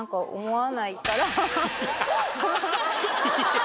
ハハハハ。